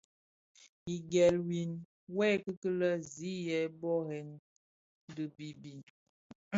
Ighel win, wuê kikilè zi yè burèn di bibid.